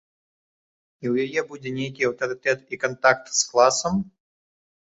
І ў яе будзе нейкі аўтарытэт і кантакт з класам?